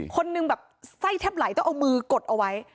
คนหนึ่งแบบไส้แทบไหลต้องเอามือกดเอาไว้